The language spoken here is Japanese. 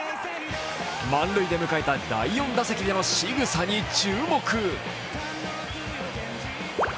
満塁で迎えた第４打席でのしぐさに注目。